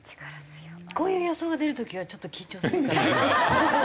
こういう予想が出る時はちょっと緊張する。